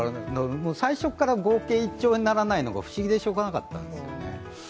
最初から合計１兆円にならないのが不思議でならなかったんです。